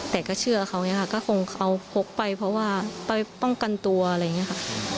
แต่ก็เชื่อเขาอย่างนี้ค่ะก็คงเขาพกไปเพราะว่าไปป้องกันตัวอะไรอย่างนี้ค่ะ